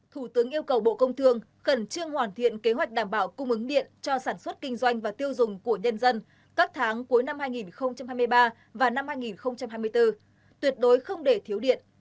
thủ tướng yêu cầu bộ công thương khẩn trương hoàn thiện kế hoạch đảm bảo cung ứng điện cho sản xuất kinh doanh và tiêu dùng của nhân dân các tháng cuối năm hai nghìn hai mươi ba và năm hai nghìn hai mươi bốn tuyệt đối không để thiếu điện